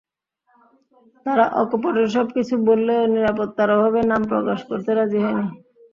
তাঁরা অকপটে সবকিছু বললেও নিরাপত্তার অভাবে নাম প্রকাশ করতে রাজি হননি।